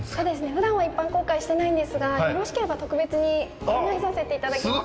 ふだんは一般公開してないんですがよろしければ特別に案内させていただきます。